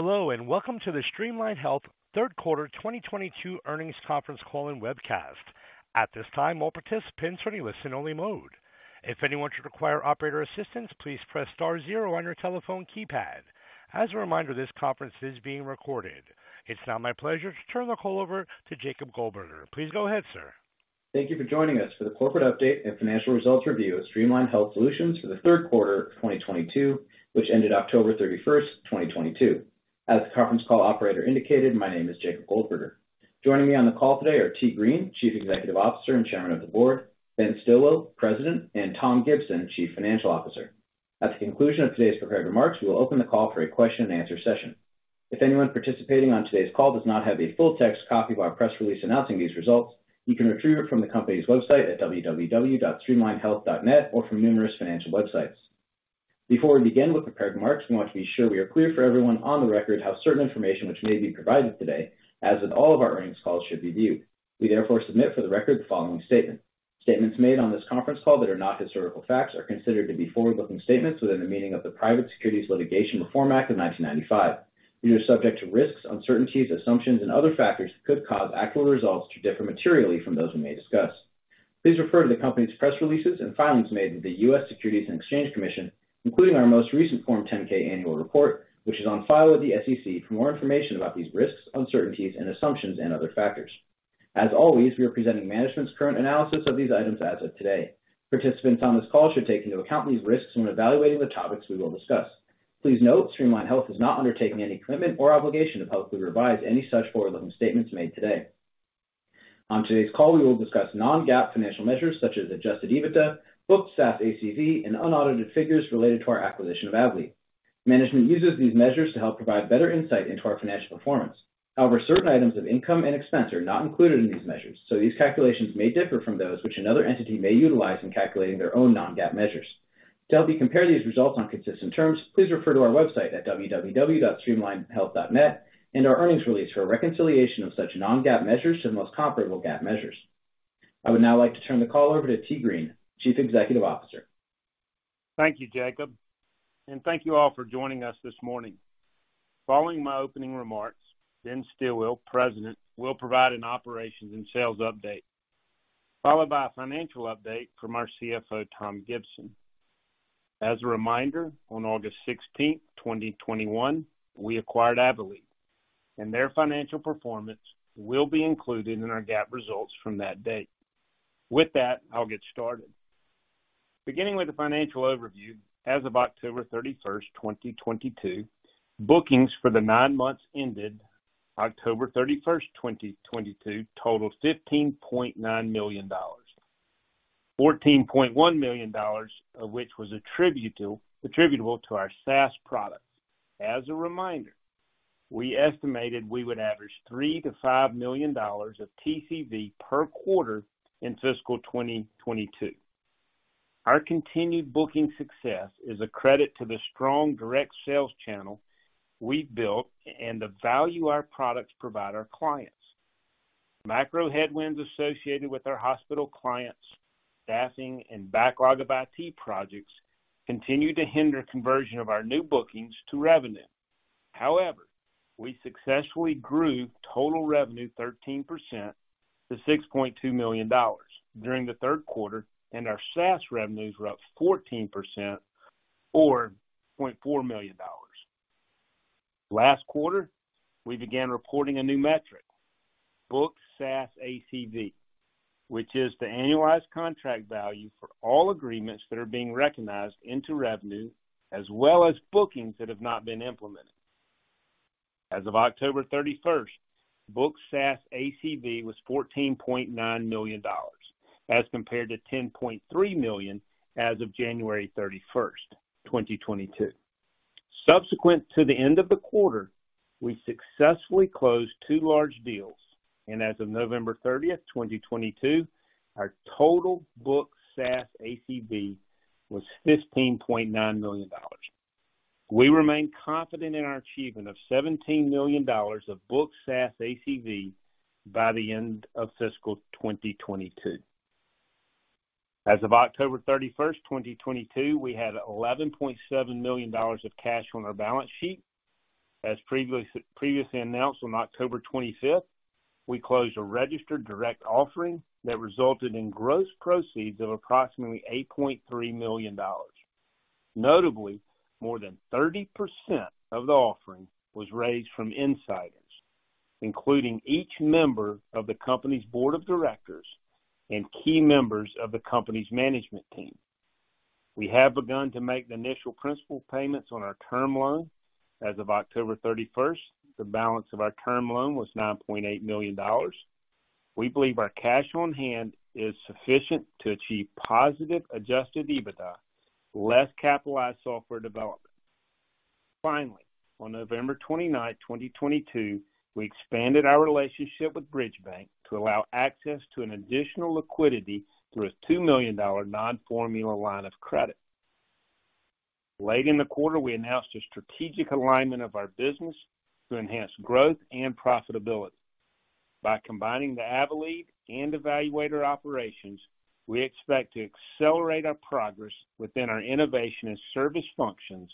Hello, welcome to the Streamline Health Third Quarter 2022 Earnings Conference Call and Webcast. At this time, all participants are in a listen only mode. If anyone should require operator assistance, please press star zero on your telephone keypad. As a reminder, this conference is being recorded. It's now my pleasure to turn the call over to Jacob Goldberger. Please go ahead, sir. Thank you for joining us for the corporate update and financial results review of Streamline Health Solutions for the 3rd quarter of 2022, which ended October 31, 2022. As the conference call operator indicated, my name is Jacob Goldberger. Joining me on the call today are Tee Green, Chief Executive Officer and Chairman of the Board, Ben Stilwill, President, and Tom Gibson, Chief Financial Officer. At the conclusion of today's prepared remarks, we will open the call for a question-and-answer session. If anyone participating on today's call does not have a full text copy of our press release announcing these results, you can retrieve it from the company's website at www.streamlinehealth.net or from numerous financial websites. Before we begin with prepared remarks, we want to be sure we are clear for everyone on the record how certain information which may be provided today, as with all of our earnings calls, should be viewed. We therefore submit for the record the following statement. Statements made on this conference call that are not historical facts are considered to be forward-looking statements within the meaning of the Private Securities Litigation Reform Act of 1995. These are subject to risks, uncertainties, assumptions, and other factors that could cause actual results to differ materially from those we may discuss. Please refer to the company's press releases and filings made with the US Securities and Exchange Commission, including our most recent Form 10-K annual report, which is on file with the SEC for more information about these risks, uncertainties, and assumptions and other factors. As always, we are presenting management's current analysis of these items as of today. Participants on this call should take into account these risks when evaluating the topics we will discuss. Please note, Streamline Health is not undertaking any commitment or obligation to publicly revise any such forward-looking statements made today. On today's call, we will discuss non-GAAP financial measures such as adjusted EBITDA, Booked SaaS ACV, and unaudited figures related to our acquisition of Avelead. Management uses these measures to help provide better insight into our financial performance. However, certain items of income and expense are not included in these measures, so these calculations may differ from those which another entity may utilize in calculating their own non-GAAP measures. To help you compare these results on consistent terms, please refer to our website at www.streamlinehealth.net and our earnings release for a reconciliation of such non-GAAP measures to the most comparable GAAP measures. I would now like to turn the call over to Tee Green, Chief Executive Officer. Thank you, Jacob. Thank you all for joining us this morning. Following my opening remarks, Ben Stilwill, President, will provide an operations and sales update, followed by a financial update from our CFO, Tom Gibson. On August 16, 2021, we acquired Avelead, and their financial performance will be included in our GAAP results from that date. With that, I'll get started. Beginning with the financial overview, as of October 31, 2022, bookings for the nine months ended October 31, 2022 totaled $15.9 million, $14.1 million of which was attributable to our SaaS products. As a reminder, we estimated we would average $3 million-$5 million of TCV per quarter in fiscal 2022. Our continued booking success is a credit to the strong direct sales channel we've built and the value our products provide our clients. Macro headwinds associated with our hospital clients, staffing, and backlog of IT projects continue to hinder conversion of our new bookings to revenue. However, we successfully grew total revenue 13% to $6.2 million during the third quarter, and our SaaS revenues were up 14% or $0.4 million. Last quarter, we began reporting a new metric, Booked SaaS ACV, which is the annualized contract value for all agreements that are being recognized into revenue, as well as bookings that have not been implemented. As of October 31st, Booked SaaS ACV was $14.9 million as compared to $10.3 million as of January 31st, 2022. Subsequent to the end of the quarter, we successfully closed two large deals, and as of November 30, 2022, our total booked SaaS ACV was $15.9 million. We remain confident in our achievement of $17 million of booked SaaS ACV by the end of fiscal 2022. As of October 31, 2022, we had $11.7 million of cash on our balance sheet. As previously announced on October 25, we closed a registered direct offering that resulted in gross proceeds of approximately $8.3 million. Notably, more than 30% of the offering was raised from insiders, including each member of the company's board of directors and key members of the company's management team. We have begun to make the initial principal payments on our term loan. As of October 31st, the balance of our term loan was $9.8 million. We believe our cash on hand is sufficient to achieve positive adjusted EBITDA, less capitalized software development. Finally, on November 29, 2022, we expanded our relationship with Bridge Bank to allow access to an additional liquidity through a $2 million non-formula line of credit. Late in the quarter, we announced a strategic alignment of our business to enhance growth and profitability. By combining the Avelead and eValuator operations, we expect to accelerate our progress within our innovation and service functions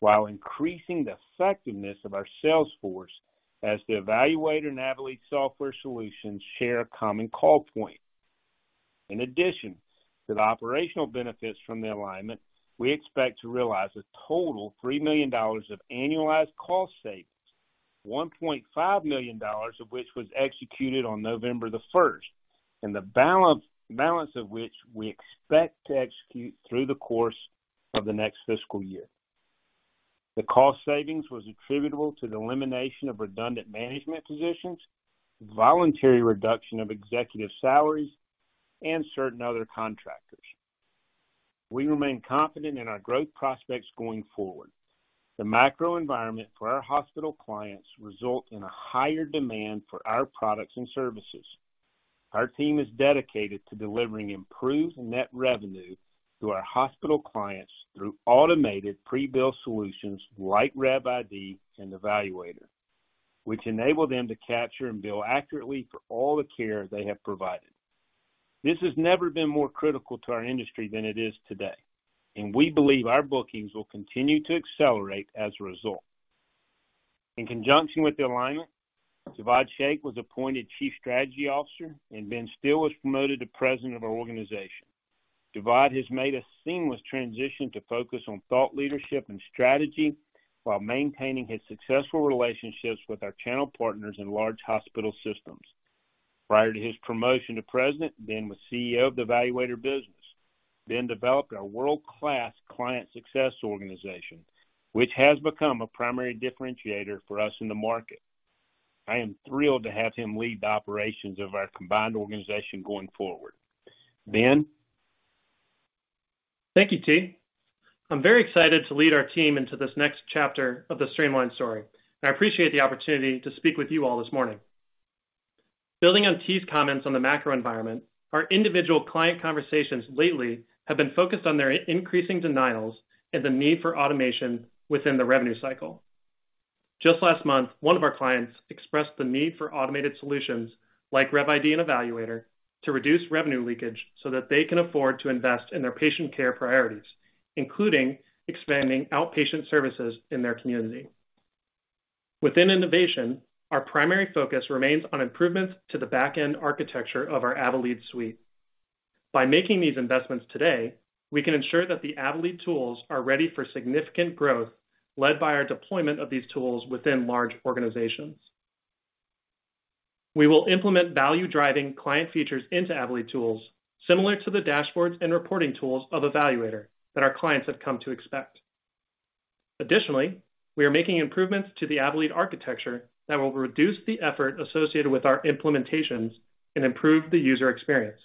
while increasing the effectiveness of our sales force as the eValuator and Avelead software solutions share a common call point. In addition to the operational benefits from the alignment, we expect to realize a total $3 million of annualized cost savings, $1.5 million of which was executed on November the first, and the balance of which we expect to execute through the course of the next fiscal year. The cost savings was attributable to the elimination of redundant management positions, voluntary reduction of executive salaries, and certain other contractors. We remain confident in our growth prospects going forward. The macro environment for our hospital clients result in a higher demand for our products and services. Our team is dedicated to delivering improved net revenue to our hospital clients through automated pre-bill solutions like RevID and eValuator, which enable them to capture and bill accurately for all the care they have provided. This has never been more critical to our industry than it is today. We believe our bookings will continue to accelerate as a result. In conjunction with the alignment, Jawad Shaikh was appointed Chief Strategy Officer and Ben Stilwill was promoted to President of our organization. Jawad Shaikh has made a seamless transition to focus on thought leadership and strategy while maintaining his successful relationships with our channel partners in large hospital systems. Prior to his promotion to President, Ben was CEO of the eValuator business. Ben developed our world-class client success organization, which has become a primary differentiator for us in the market. I am thrilled to have him lead the operations of our combined organization going forward. Ben? Thank you, Tee. I'm very excited to lead our team into this next chapter of the Streamline story, and I appreciate the opportunity to speak with you all this morning. Building on Tee's comments on the macro environment, our individual client conversations lately have been focused on their increasing denials and the need for automation within the revenue cycle. Just last month, one of our clients expressed the need for automated solutions like RevID and eValuator to reduce revenue leakage so that they can afford to invest in their patient care priorities, including expanding outpatient services in their community. Within innovation, our primary focus remains on improvements to the back-end architecture of our Avelead suite. By making these investments today, we can ensure that the Avelead tools are ready for significant growth led by our deployment of these tools within large organizations. We will implement value-driving client features into Avelead tools similar to the dashboards and reporting tools of eValuator that our clients have come to expect. Additionally, we are making improvements to the Avelead architecture that will reduce the effort associated with our implementations and improve the user experience.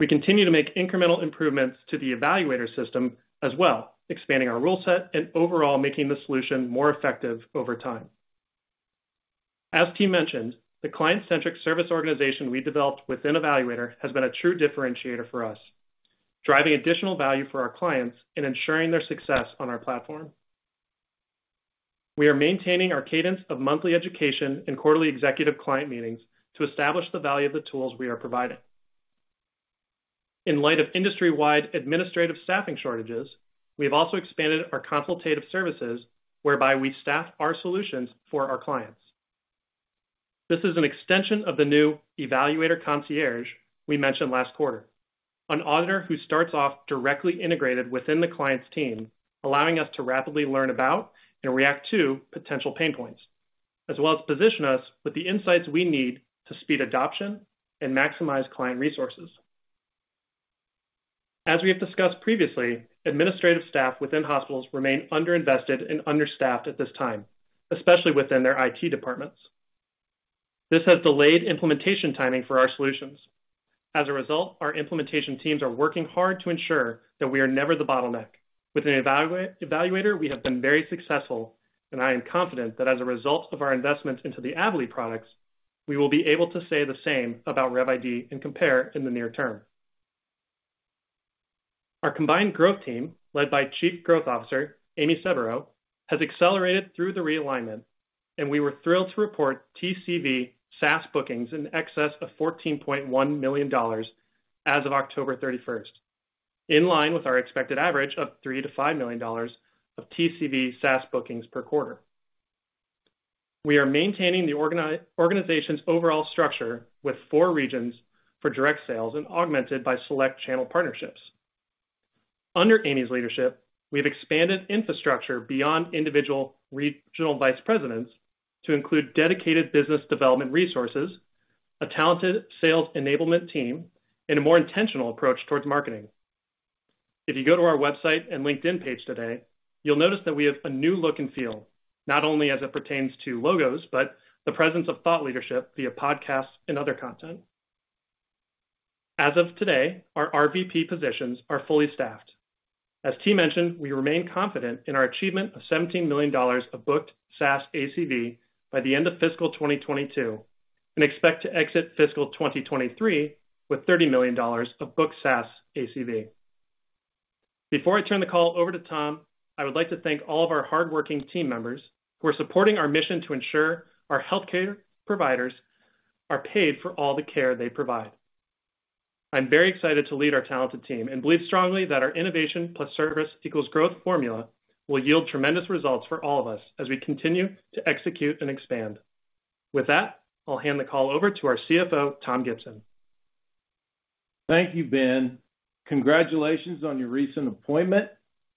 We continue to make incremental improvements to the eValuator system as well, expanding our rule set and overall making the solution more effective over time. As T mentioned, the client-centric service organization we developed within eValuator has been a true differentiator for us, driving additional value for our clients and ensuring their success on our platform. We are maintaining our cadence of monthly education and quarterly executive client meetings to establish the value of the tools we are providing. In light of industry-wide administrative staffing shortages, we have also expanded our consultative services whereby we staff our solutions for our clients. This is an extension of the new eValuator concierge we mentioned last quarter, an auditor who starts off directly integrated within the client's team, allowing us to rapidly learn about and react to potential pain points, as well as position us with the insights we need to speed adoption and maximize client resources. As we have discussed previously, administrative staff within hospitals remain underinvested and understaffed at this time, especially within their IT departments. This has delayed implementation timing for our solutions. As a result, our implementation teams are working hard to ensure that we are never the bottleneck. Within eValuator, we have been very successful, and I am confident that as a result of our investments into the Avelead products, we will be able to say the same about RevID and Compare in the near term. Our combined growth team, led by Chief Growth Officer Amy Sebero, has accelerated through the realignment. We were thrilled to report TCV SaaS bookings in excess of $14.1 million as of October 31st, in line with our expected average of $3 million-$5 million of TCV SaaS bookings per quarter. We are maintaining the organization's overall structure with four regions for direct sales and augmented by select channel partnerships. Under Amy's leadership, we have expanded infrastructure beyond individual regional vice presidents to include dedicated business development resources, a talented sales enablement team, and a more intentional approach towards marketing. If you go to our website and LinkedIn page today, you'll notice that we have a new look and feel, not only as it pertains to logos, but the presence of thought leadership via podcasts and other content. As of today, our RVP positions are fully staffed. As T mentioned, we remain confident in our achievement of $17 million of Booked SaaS ACV by the end of fiscal 2022 and expect to exit fiscal 2023 with $30 million of Booked SaaS ACV. Before I turn the call over to Tom, I would like to thank all of our hardworking team members who are supporting our mission to ensure our healthcare providers are paid for all the care they provide. I'm very excited to lead our talented team and believe strongly that our innovation plus service equals growth formula will yield tremendous results for all of us as we continue to execute and expand. With that, I'll hand the call over to our CFO, Tom Gibson. Thank you, Ben. Congratulations on your recent appointment.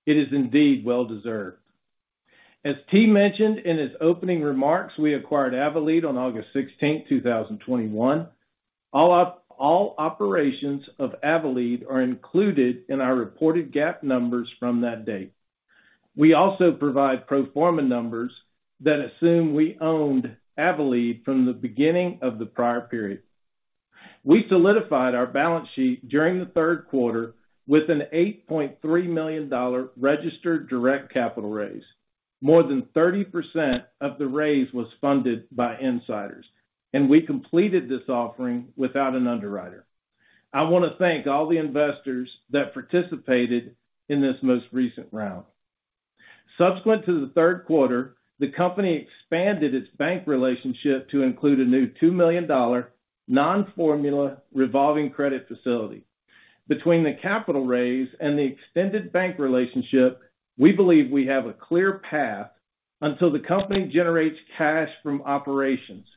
It is indeed well-deserved. As Tee mentioned in his opening remarks, we acquired Avelead on August 16, 2021. All operations of Avelead are included in our reported GAAP numbers from that date. We also provide pro forma numbers that assume we owned Avelead from the beginning of the prior period. We solidified our balance sheet during the third quarter with an $8.3 million registered direct capital raise. More than 30% of the raise was funded by insiders. We completed this offering without an underwriter. I wanna thank all the investors that participated in this most recent round. Subsequent to the third quarter, the company expanded its bank relationship to include a new $2 million non-formula revolving credit facility. Between the capital raise and the extended bank relationship, we believe we have a clear path until the company generates cash from operations,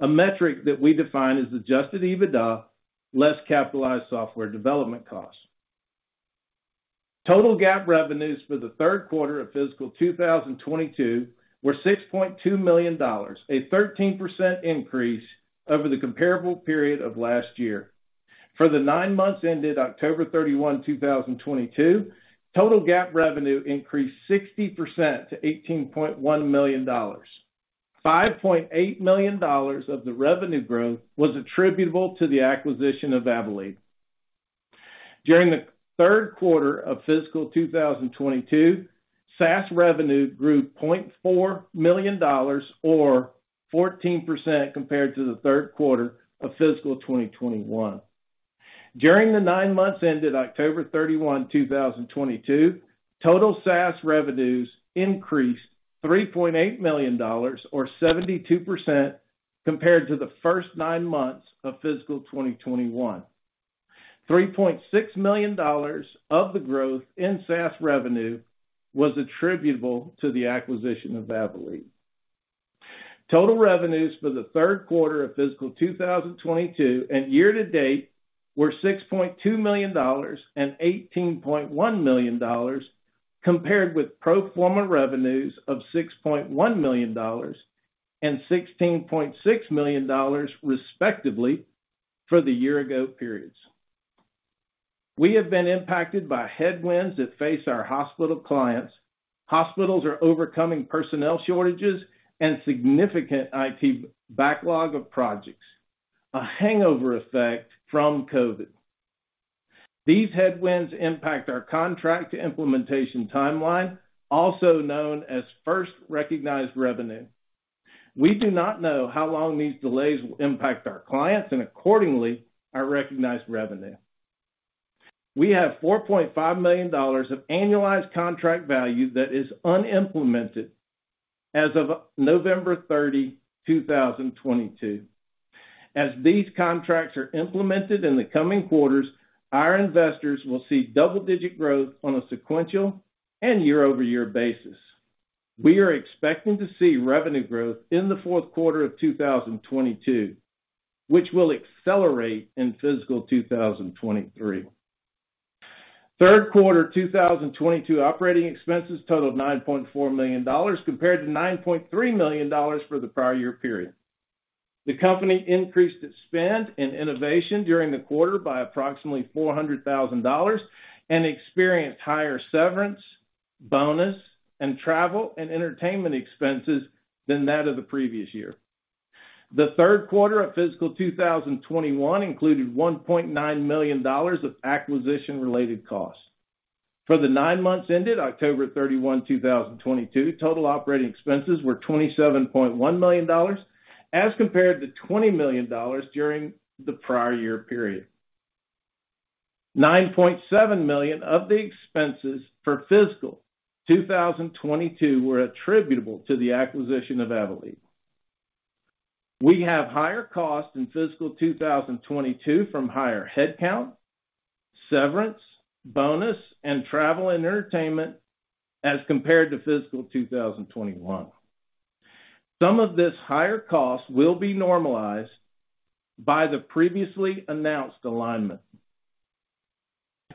a metric that we define as adjusted EBITDA less capitalized software development costs. Total GAAP revenues for the third quarter of fiscal 2022 were $6.2 million, a 13% increase over the comparable period of last year. For the nine months ended October 31, 2022, total GAAP revenue increased 60% to $18.1 million. $5.8 million of the revenue growth was attributable to the acquisition of Avelead. During the third quarter of fiscal 2022, SaaS revenue grew $0.4 million or 14% compared to the third quarter of fiscal 2021. During the 9 months ended October 31, 2022, total SaaS revenues increased $3.8 million or 72% compared to the first 9 months of fiscal 2021. $3.6 million of the growth in SaaS revenue was attributable to the acquisition of Avelead. Total revenues for the 3rd quarter of fiscal 2022 and year to date were $6.2 million and $18.1 million compared with pro forma revenues of $6.1 million and $16.6 million, respectively, for the year ago periods. We have been impacted by headwinds that face our hospital clients. Hospitals are overcoming personnel shortages and significant IT backlog of projects, a hangover effect from COVID. These headwinds impact our contract implementation timeline, also known as first recognized revenue. We do not know how long these delays will impact our clients and accordingly, our recognized revenue. We have $4.5 million of annualized contract value that is unimplemented as of November 30, 2022. As these contracts are implemented in the coming quarters, our investors will see double-digit growth on a sequential and year-over-year basis. We are expecting to see revenue growth in the fourth quarter of 2022, which will accelerate in fiscal 2023. Third quarter 2022 operating expenses totaled $9.4 million compared to $9.3 million for the prior year period. The company increased its spend in innovation during the quarter by approximately $400,000 and experienced higher severance, bonus, and travel and entertainment expenses than that of the previous year. The third quarter of fiscal 2021 included $1.9 million of acquisition-related costs. For the nine months ended October 31, 2022, total operating expenses were $27.1 million as compared to $20 million during the prior year period. $9.7 million of the expenses for fiscal 2022 were attributable to the acquisition of Avelead. We have higher costs in fiscal 2022 from higher headcount, severance, bonus, and travel and entertainment as compared to fiscal 2021. Some of this higher cost will be normalized by the previously announced alignment.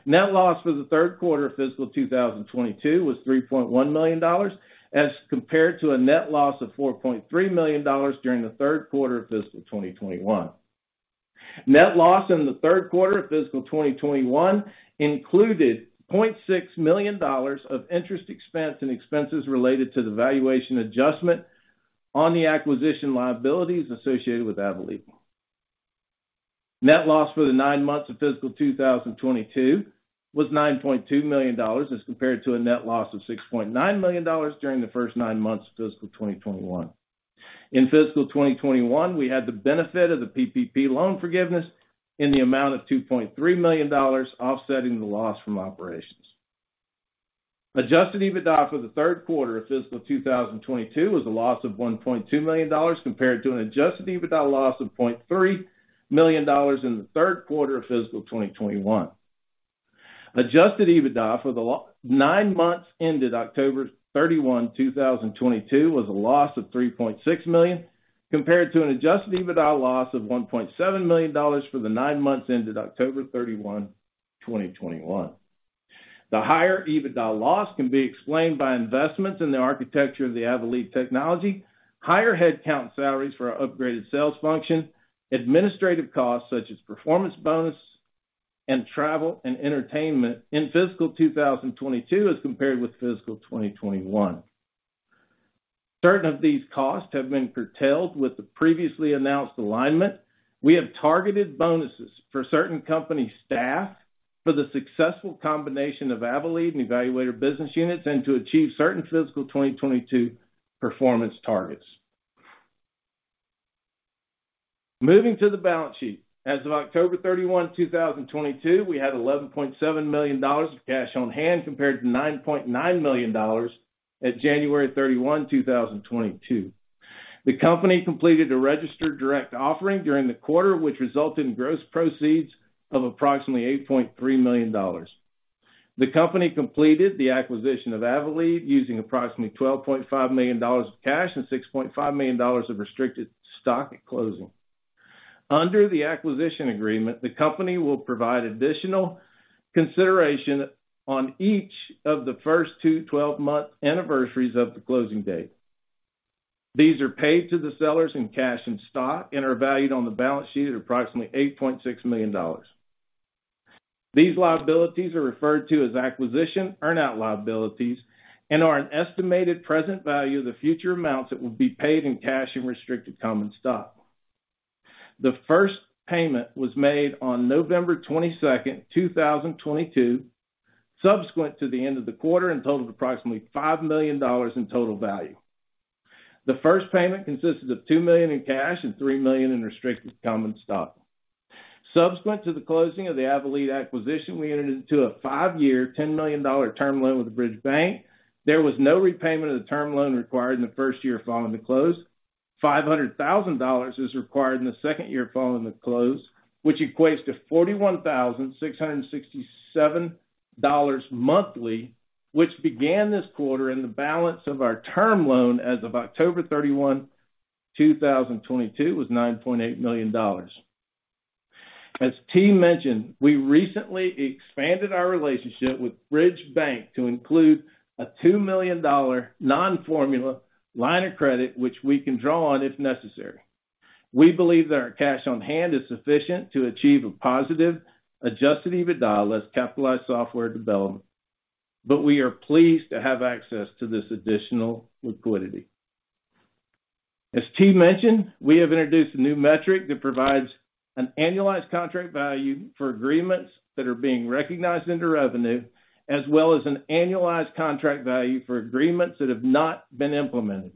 Net loss for the third quarter of fiscal 2022 was $3.1 million as compared to a net loss of $4.3 million during the third quarter of fiscal 2021. Net loss in the third quarter of fiscal 2021 included $0.6 million of interest expense and expenses related to the valuation adjustment on the acquisition liabilities associated with Avelead. Net loss for the nine months of fiscal 2022 was $9.2 million as compared to a net loss of $6.9 million during the first nine months of fiscal 2021. In fiscal 2021, we had the benefit of the PPP loan forgiveness in the amount of $2.3 million offsetting the loss from operations. Adjusted EBITDA for the third quarter of fiscal 2022 was a loss of $1.2 million compared to an adjusted EBITDA loss of $0.3 million in the third quarter of fiscal 2021. Adjusted EBITDA for the nine months ended October 31, 2022 was a loss of $3.6 million, compared to an adjusted EBITDA loss of $1.7 million for the nine months ended October 31, 2021. The higher EBITDA loss can be explained by investments in the architecture of the Avelead technology, higher headcount salaries for our upgraded sales function, administrative costs such as performance bonus and travel and entertainment in fiscal 2022 as compared with fiscal 2021. Certain of these costs have been curtailed with the previously announced alignment. We have targeted bonuses for certain company staff for the successful combination of Avelead and eValuator business units and to achieve certain fiscal 2022 performance targets. Moving to the balance sheet. As of October 31, 2022, we had $11.7 million of cash on hand, compared to $9.9 million at January 31, 2022. The company completed a registered direct offering during the quarter, which resulted in gross proceeds of approximately $8.3 million. The company completed the acquisition of Avelead using approximately $12.5 million of cash and $6.5 million of restricted stock at closing. Under the acquisition agreement, the company will provide additional consideration on each of the first two 12-month anniversaries of the closing date. These are paid to the sellers in cash and stock and are valued on the balance sheet at approximately $8.6 million. These liabilities are referred to as acquisition earn-out liabilities and are an estimated present value of the future amounts that will be paid in cash and restricted common stock. The first payment was made on November 22, 2022, subsequent to the end of the quarter and totaled approximately $5 million in total value. The first payment consisted of $2 million in cash and $3 million in restricted common stock. Subsequent to the closing of the Avelead acquisition, we entered into a 5-year, $10 million term loan with Bridge Bank. There was no repayment of the term loan required in the first year following the close. $500,000 is required in the second year following the close, which equates to $41,667 monthly, which began this quarter, and the balance of our term loan as of October 31, 2022 was $9.8 million. As T mentioned, we recently expanded our relationship with Bridge Bank to include a $2 million non-formula line of credit, which we can draw on if necessary. We believe that our cash on hand is sufficient to achieve a positive adjusted EBITDA less capitalized software development, but we are pleased to have access to this additional liquidity. As T mentioned, we have introduced a new metric that provides an annualized contract value for agreements that are being recognized into revenue, as well as an annualized contract value for agreements that have not been implemented.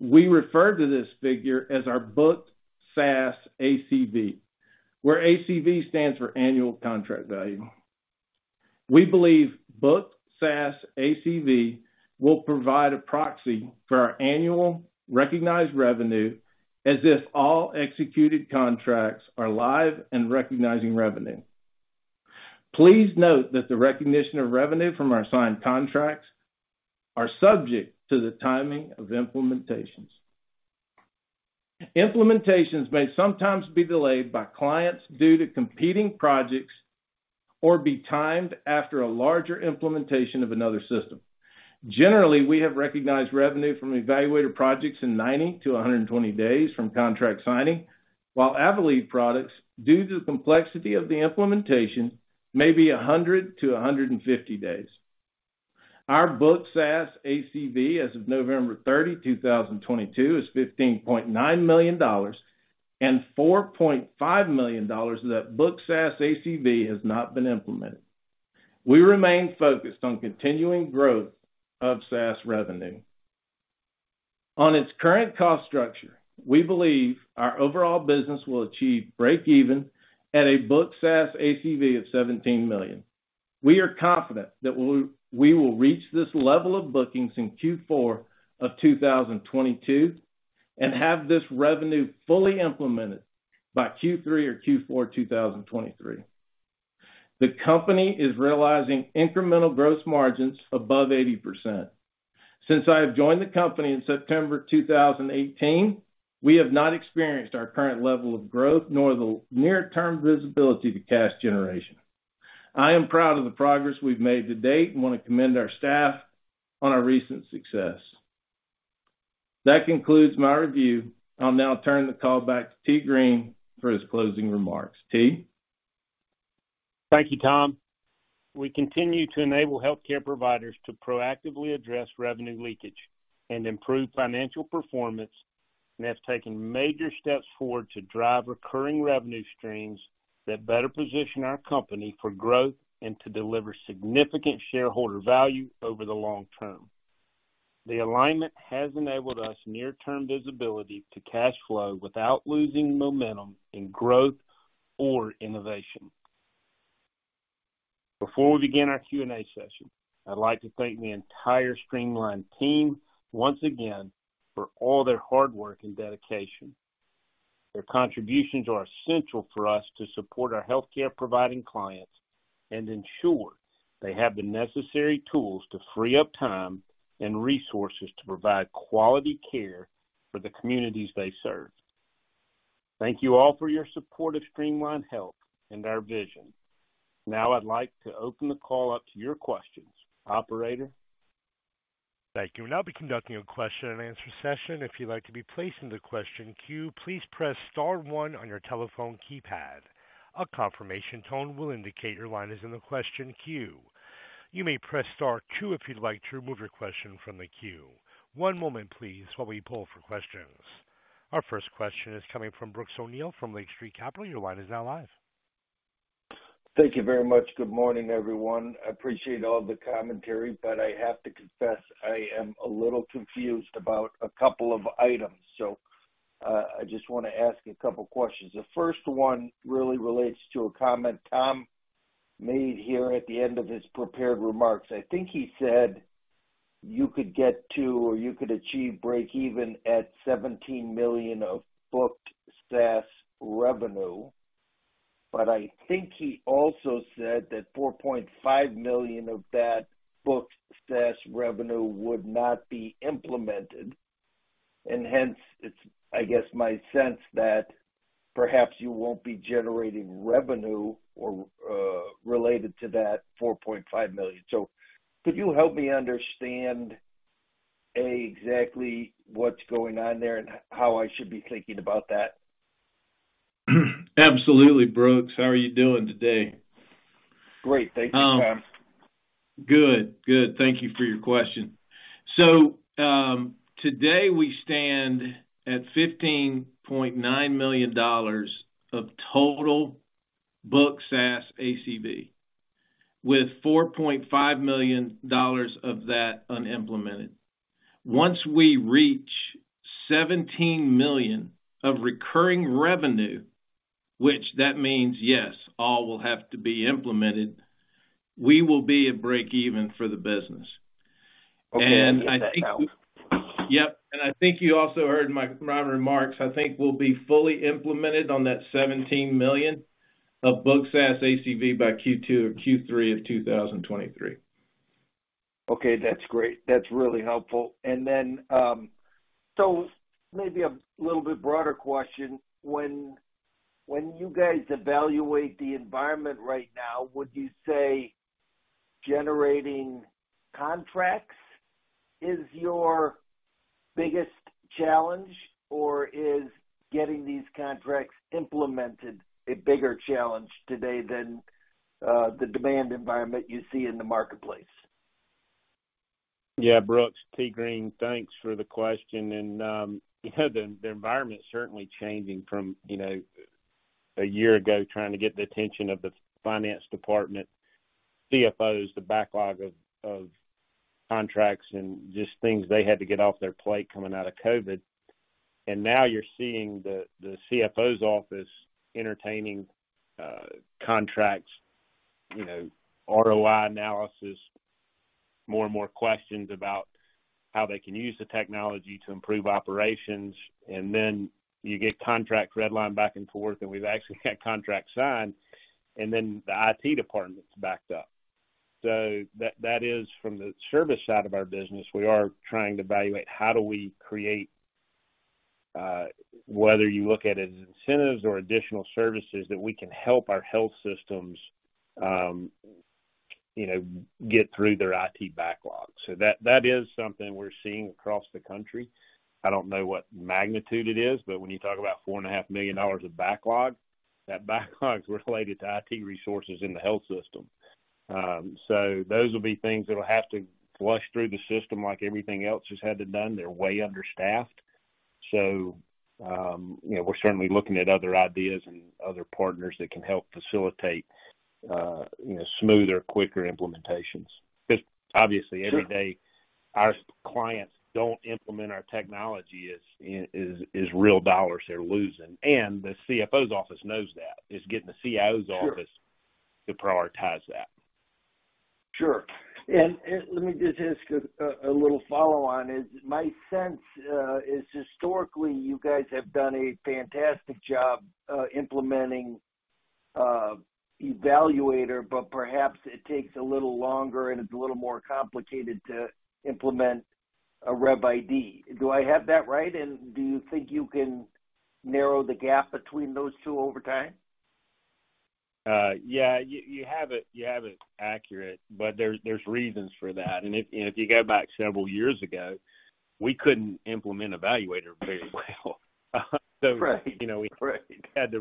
We refer to this figure as our Booked SaaS ACV, where ACV stands for annual contract value. We believe Booked SaaS ACV will provide a proxy for our annual recognized revenue as if all executed contracts are live and recognizing revenue. Please note that the recognition of revenue from our signed contracts are subject to the timing of implementations. Implementations may sometimes be delayed by clients due to competing projects or be timed after a larger implementation of another system. Generally, we have recognized revenue from eValuator projects in 90-120 days from contract signing, while Avelead products, due to the complexity of the implementation, may be 100-150 days. Our booked SaaS ACV as of November 30, 2022 is $15.9 million, $4.5 million of that booked SaaS ACV has not been implemented. We remain focused on continuing growth of SaaS revenue. On its current cost structure, we believe our overall business will achieve breakeven at a booked SaaS ACV of $17 million. We are confident that we will reach this level of bookings in Q4 of 2022 and have this revenue fully implemented by Q3 or Q4 2023. The company is realizing incremental gross margins above 80%. Since I have joined the company in September 2018, we have not experienced our current level of growth nor the near-term visibility to cash generation. I am proud of the progress we've made to date and wanna commend our staff on our recent success. That concludes my review. I'll now turn the call back to Tee Green for his closing remarks. T? Thank you, Tom. We continue to enable healthcare providers to proactively address revenue leakage and improve financial performance and have taken major steps forward to drive recurring revenue streams that better position our company for growth and to deliver significant shareholder value over the long term. The alignment has enabled us near-term visibility to cash flow without losing momentum in growth or innovation. Before we begin our Q&A session, I'd like to thank the entire Streamline team once again for all their hard work and dedication. Their contributions are essential for us to support our healthcare providing clients and ensure they have the necessary tools to free up time and resources to provide quality care for the communities they serve. Thank you all for your support of Streamline Health and our vision. I'd like to open the call up to your questions. Operator? Thank you. We'll now be conducting a question-and-answer session. If you'd like to be placed into question queue, please press star one on your telephone keypad. A confirmation tone will indicate your line is in the question queue. You may press star two if you'd like to remove your question from the queue. One moment please, while we poll for questions. Our first question is coming from Brooks O'Neil from Lake Street Capital. Your line is now live. Thank you very much. Good morning, everyone. I appreciate all the commentary. I have to confess I am a little confused about a couple of items. I just wanna ask a couple questions. The first one really relates to a comment Tom made here at the end of his prepared remarks. I think he said you could get to or you could achieve breakeven at $17 million of booked SaaS revenue. I think he also said that $4.5 million of that booked SaaS revenue would not be implemented, and hence it's, I guess, my sense that perhaps you won't be generating revenue or related to that $4.5 million. Could you help me understand, A, exactly what's going on there and how I should be thinking about that? Absolutely, Brooks. How are you doing today? Great. Thank you, Tom. Good. Thank you for your question. Today we stand at $15.9 million of total booked SaaS ACV, with $4.5 million of that unimplemented. Once we reach $17 million of recurring revenue, which that means, yes, all will have to be implemented, we will be at breakeven for the business. Okay. I get that now. Yep, I think you also heard my remarks. I think we'll be fully implemented on that $17 million of booked SaaS ACV by Q2 or Q3 of 2023. Okay, that's great. That's really helpful. Maybe a little bit broader question. When you guys evaluate the environment right now, would you say generating contracts is your biggest challenge, or is getting these contracts implemented a bigger challenge today than the demand environment you see in the marketplace? Yeah, Brooks, Tee Green. Thanks for the question. You know, the environment is certainly changing from, you know, a year ago, trying to get the attention of the finance department, CFOs, the backlog of contracts and just things they had to get off their plate coming out of COVID. Now you're seeing the CFO's office entertaining contracts, you know, ROI analysis, more and more questions about how they can use the technology to improve operations. Then you get contract redline back and forth, and we've actually got contracts signed, and then the IT department's backed up. That, that is from the service side of our business, we are trying to evaluate how do we create, whether you look at it as incentives or additional services that we can help our health systems, you know, get through their IT backlog. That is something we're seeing across the country. I don't know what magnitude it is, but when you talk about $4.5 million of backlog, that backlog's related to IT resources in the health system. Those will be things that'll have to flush through the system like everything else has had to done. They're way understaffed. You know, we're certainly looking at other ideas and other partners that can help facilitate, you know, smoother, quicker implementations. Obviously every day our clients don't implement our technology is real dollars they're losing, and the CFO's office knows that. It's getting the CIO's office to prioritize that. Sure. Let me just ask a little follow on is, my sense is historically you guys have done a fantastic job implementing eValuator, but perhaps it takes a little longer and it's a little more complicated to implement a RevID. Do I have that right? Do you think you can narrow the gap between those two over time? Yeah, you have it accurate, but there's reasons for that. If you go back several years ago, we couldn't implement eValuator very well. Right. you know Right... we had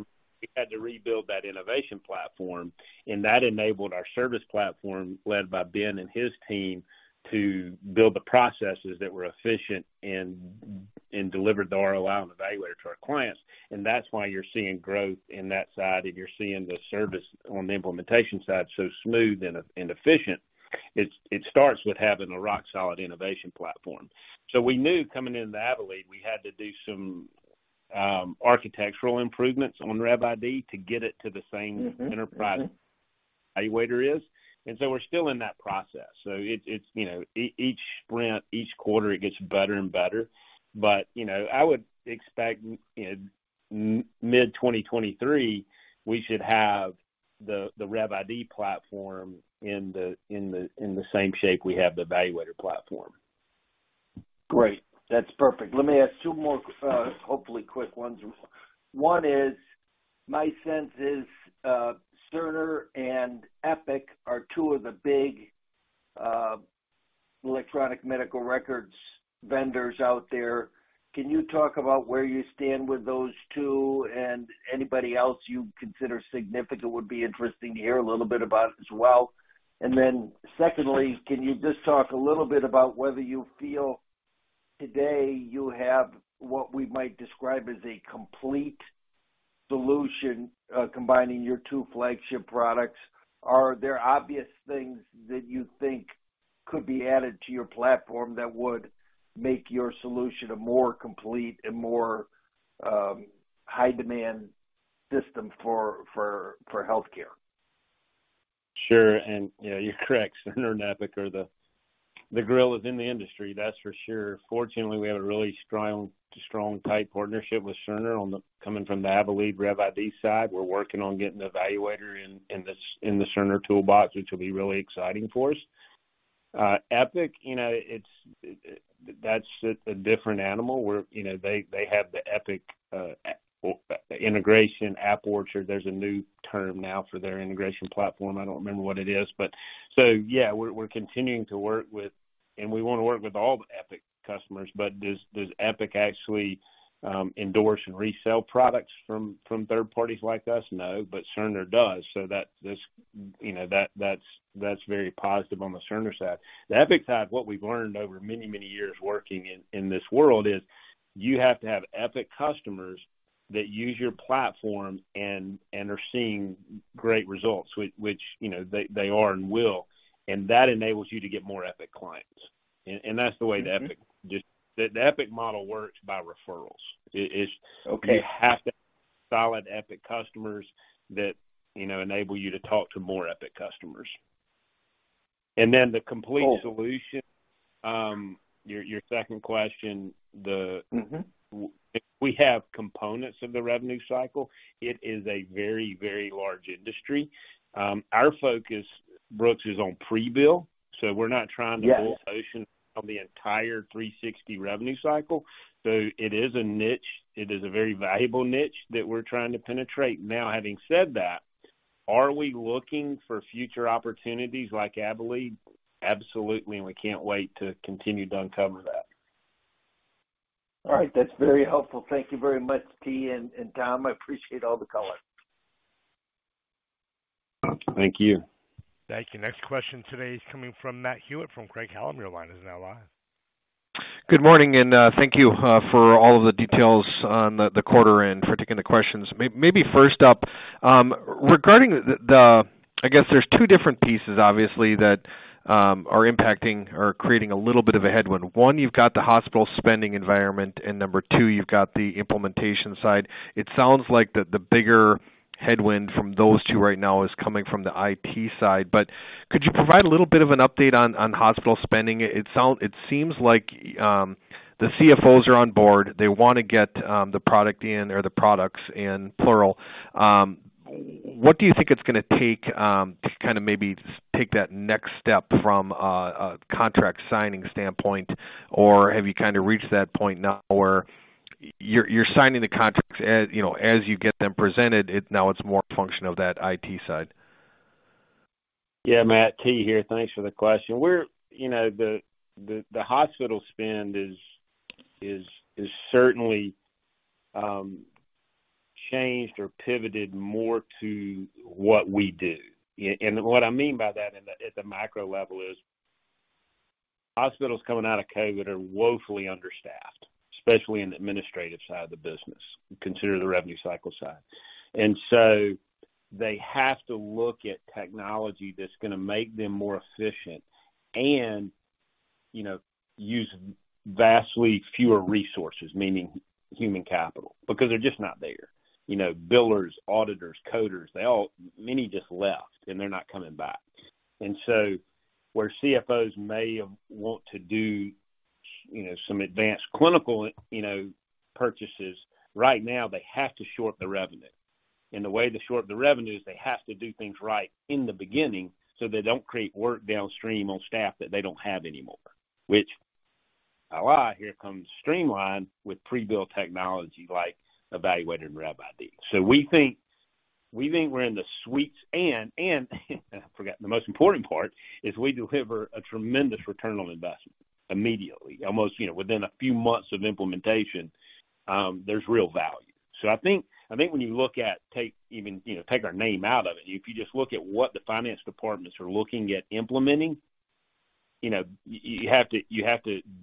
to rebuild that innovation platform, and that enabled our service platform, led by Ben and his team, to build the processes that were efficient and deliver the ROI on eValuator to our clients. That's why you're seeing growth in that side, and you're seeing the service on the implementation side so smooth and efficient. It starts with having a rock solid innovation platform. We knew coming into Avelead, we had to do some architectural improvements on RevID to get it to the same. Mm-hmm. Mm-hmm.... enterprise eValuator is. We're still in that process. It's, it's, you know, each sprint, each quarter, it gets better and better. You know, I would expect in mid-2023, we should have the RevID platform in the same shape we have the eValuator platform. Great. That's perfect. Let me ask two more, hopefully quick ones. One is, my sense is, Cerner and Epic are two of the big electronic medical records vendors out there. Can you talk about where you stand with those two and anybody else you consider significant would be interesting to hear a little bit about as well. Secondly, can you just talk a little bit about whether you feel today you have what we might describe as a complete solution, combining your two flagship products? Are there obvious things that you think could be added to your platform that would make your solution a more complete and more high demand system for healthcare? Sure. You know, you're correct. Cerner and Epic are the gorillas in the industry, that's for sure. Fortunately, we have a really strong partnership with Cerner coming from the Avelead RevID side. We're working on getting the eValuator in the Cerner toolbox, which will be really exciting for us. Epic, you know, that's a different animal where, you know, they have the Epic App Orchard. There's a new term now for their integration platform. I don't remember what it is. Yeah, we're continuing to work with, and we wanna work with all the Epic customers. Does Epic actually endorse and resell products from third parties like us? No, Cerner does. That's, you know, that's very positive on the Cerner side. The Epic side, what we've learned over many, many years working in this world is you have to have Epic customers that use your platform and are seeing great results, which, you know, they are and will, and that enables you to get more Epic clients. That's the way that Epic. Mm-hmm The Epic model works by referrals. It's. Okay. You have to have solid Epic customers that, you know, enable you to talk to more Epic customers. Then the complete solution, your second question. Mm-hmm... We have components of the revenue cycle. It is a very, very large industry. Our focus, Brooks, is on pre-bill, so we're not trying to- Yes... boil ocean on the entire 360 revenue cycle. It is a niche. It is a very valuable niche that we're trying to penetrate. Having said that, are we looking for future opportunities like Avelead? Absolutely, we can't wait to continue to uncover that. All right. That's very helpful. Thank you very much, T and Tom. I appreciate all the color. Thank you. Thank you. Next question today is coming from Matt Hewitt from Craig-Hallum. Your line is now live. Good morning, and thank you for all of the details on the quarter and for taking the questions. Maybe first up, regarding the, I guess there's two different pieces obviously that are impacting or creating a little bit of a headwind. One, you've got the hospital spending environment, and number two, you've got the implementation side. It sounds like the bigger headwind from those two right now is coming from the IT side. Could you provide a little bit of an update on hospital spending? It seems like the CFOs are on board. They wanna get the product in or the products in plural. What do you think it's gonna take to kinda maybe take that next step from a contract signing standpoint? Have you kind of reached that point now where you're signing the contracts as, you know, as you get them presented, it's now it's more a function of that IT side? Yeah, Matt, Tee here. Thanks for the question. We're, you know, the hospital spend is certainly changed or pivoted more to what we do. What I mean by that at the micro level is, hospitals coming out of COVID are woefully understaffed, especially in the administrative side of the business, consider the revenue cycle side. They have to look at technology that's gonna make them more efficient and, you know, use vastly fewer resources, meaning human capital, because they're just not there. You know, billers, auditors, coders, they all. Many just left, and they're not coming back. Where CFOs may want to do, you know, some advanced clinical, you know, purchases, right now, they have to short the revenue. The way to short the revenue is they have to do things right in the beginning, so they don't create work downstream on staff that they don't have anymore. Which, here comes Streamline with pre-bill technology like eValuator and RevID. We think we're in the sweet spot. I forgot the most important part is we deliver a tremendous return on investment immediately. Almost, you know, within a few months of implementation, there's real value. I think when you look at, take even, you know, take our name out of it. If you just look at what the finance departments are looking at implementing, you know, you have to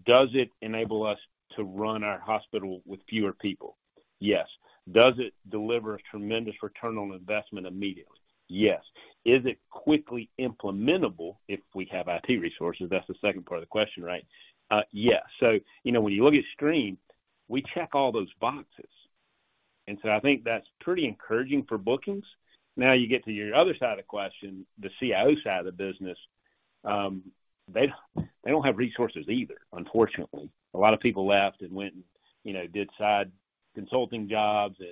does it enable us to run our hospital with fewer people? Yes. Does it deliver a tremendous return on investment immediately? Yes. Is it quickly implementable if we have IT resources? That's the second part of the question, right? Yes. You know, when you look at Stream, we check all those boxes. I think that's pretty encouraging for bookings. Now you get to your other side of the question, the CIO side of the business. They don't have resources either, unfortunately. A lot of people left and went and, you know, did side consulting jobs and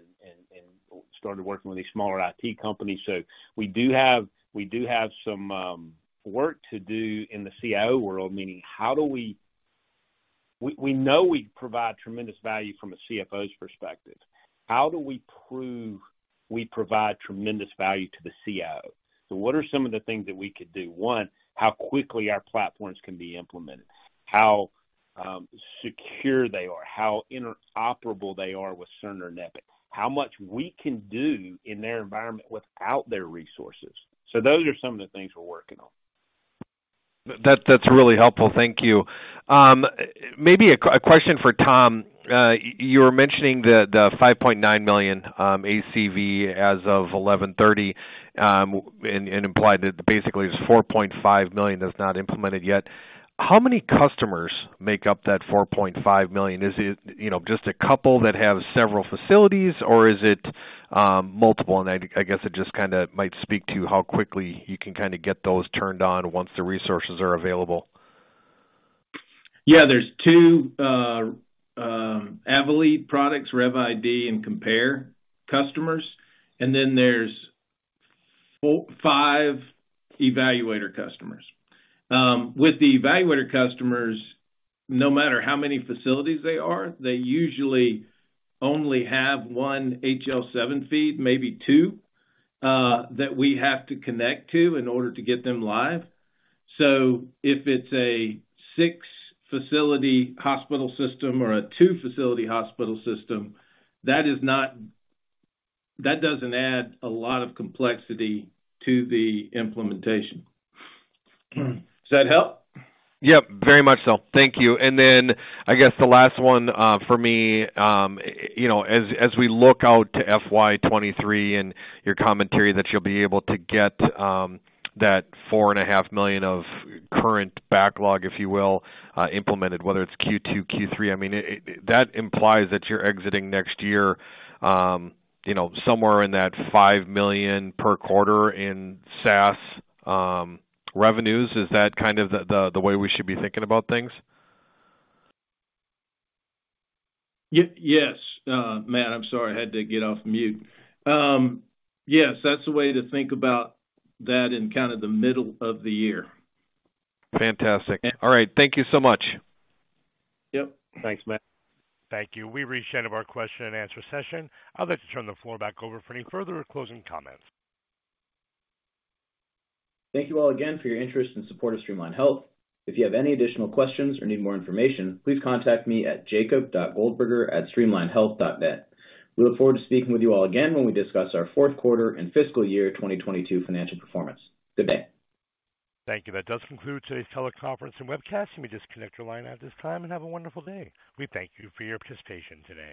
started working with these smaller IT companies. We do have some work to do in the CIO world, meaning how do we... We know we provide tremendous value from a CFO's perspective. How do we prove we provide tremendous value to the CIO? What are some of the things that we could do? One, how quickly our platforms can be implemented, how secure they are, how interoperable they are with Cerner Millennium, how much we can do in their environment without their resources. Those are some of the things we're working on. That's really helpful. Thank you. Maybe a question for Tom. You were mentioning the $5.9 million ACV as of 11/30, and implied that basically there's $4.5 million that's not implemented yet. How many customers make up that $4.5 million? Is it, you know, just a couple that have several facilities or is it multiple? I guess it just kinda might speak to how quickly you can kinda get those turned on once the resources are available. There's 2 Avelead products, RevID and Compare customers, and then there's 5 eValuator customers. With the eValuator customers, no matter how many facilities they are, they usually only have 1 HL7 feed, maybe 2, that we have to connect to in order to get them live. If it's a 6-facility hospital system or a 2-facility hospital system, that doesn't add a lot of complexity to the implementation. Does that help? Yep, very much so. Thank you. Then I guess the last one, for me, you know, as we look out to FY 2023 and your commentary that you'll be able to get, that four and a half million of current backlog, if you will, implemented, whether it's Q2, Q3, I mean, that implies that you're exiting next year, you know, somewhere in that $5 million per quarter in SaaS revenues. Is that kind of the way we should be thinking about things? Yes. Matt, I'm sorry, I had to get off mute. Yes, that's the way to think about that in kind of the middle of the year. Fantastic. All right. Thank you so much. Yep. Thanks, Matt. Thank you. We've reached the end of our question and answer session. I'd like to turn the floor back over for any further closing comments. Thank you all again for your interest and support of Streamline Health. If you have any additional questions or need more information, please contact me at jacob.goldberger@streamlinehealth.net. We look forward to speaking with you all again when we discuss our fourth quarter and fiscal year 2022 financial performance. Good day. Thank you. That does conclude today's teleconference and webcast. You may disconnect your line at this time and have a wonderful day. We thank you for your participation today.